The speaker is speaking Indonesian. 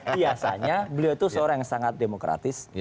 biasanya beliau itu seorang yang sangat demokratis